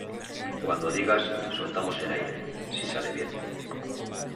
cuando digas, soltamos el aire. si sale bien